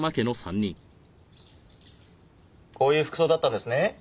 こういう服装だったんですね？